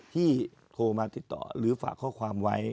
โทรมาติดต่อหรือฝากข้อความไว้